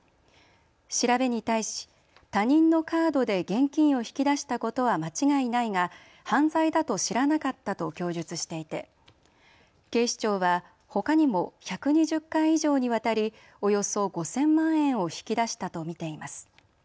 調べに対し他人のカードで現金を引き出したことは間違いないが犯罪だと知らなかったと供述していて警視庁はほかにも１２０回以上にわたり、およそ５０００万円を引き出したと見ています。